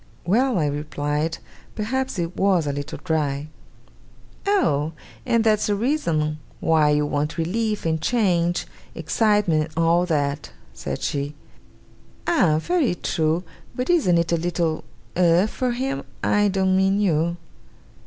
'Well,' I replied; 'perhaps it was a little dry.' 'Oh! and that's a reason why you want relief and change excitement and all that?' said she. 'Ah! very true! But isn't it a little Eh? for him; I don't mean you?